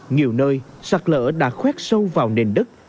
nhiều nơi sạt lở đã khoét sâu vào nền đất